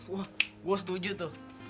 wah gue setuju tuh